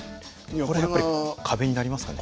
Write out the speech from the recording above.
これはやっぱり壁になりますかね？